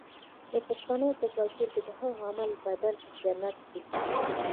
د پښتنو په کلتور کې د ښه عمل بدله جنت دی.